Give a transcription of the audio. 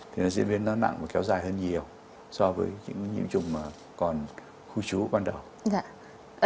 thì nó diễn biến nó nặng và kéo dài hơn nhiều so với những nhiễm trùng mà còn khu chú ban đầu